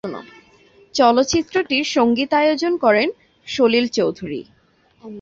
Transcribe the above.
চলচ্চিত্রটির সঙ্গীতায়োজন করেন সলিল চৌধুরী।